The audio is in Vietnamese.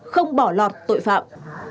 không bỏ lọt tội phạm